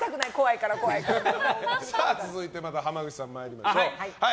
続いて、濱口さん参りましょう。